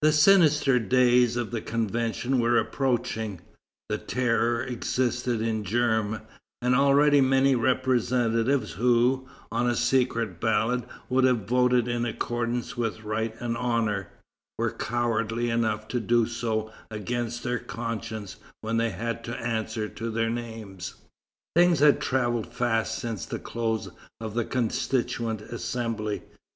The sinister days of the Convention were approaching, the Terror existed in germ, and already many representatives who, on a secret ballot, would have voted in accordance with right and honor, were cowardly enough to do so against their conscience when they had to answer to their names. Things had travelled fast since the close of the Constituent Assembly.